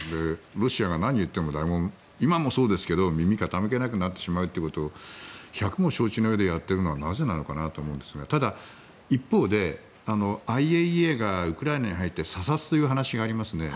ロシアが何を言っても今もそうですけど誰も耳を傾けなくなってしまうってことを百も承知のうえでやっているのはなぜなのかなと思うんですがただ、一方でＩＡＥＡがウクライナに入って査察という話がありますね。